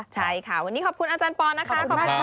ใช่ค่ะวันนี้ขอบคุณอาจารย์ปอนะคะ